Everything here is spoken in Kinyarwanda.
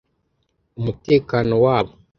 umutekano wabo